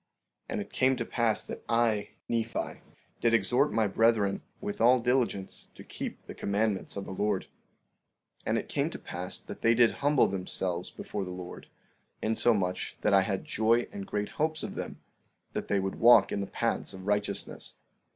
16:4 And it came to pass that I, Nephi, did exhort my brethren, with all diligence, to keep the commandments of the Lord. 16:5 And it came to pass that they did humble themselves before the Lord; insomuch that I had joy and great hopes of them, that they would walk in the paths of righteousness.